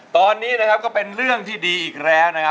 ตอนนี้นะครับก็เป็นเรื่องที่ดีอีกแล้วนะครับ